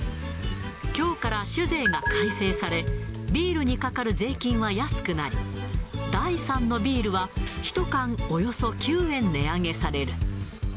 きょうから酒税が改正され、ビールにかかる税金は安くなり、第３のビールは１缶およそ９円値上げされる。